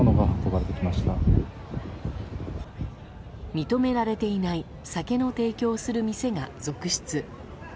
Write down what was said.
認められていない酒の提供をする店が続出。